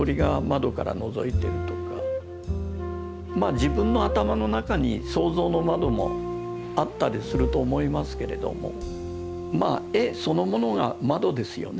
自分の頭の中に想像の窓もあったりすると思いますけれども絵そのものが窓ですよね。